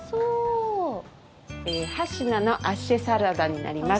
８品のアッシェサラダになります。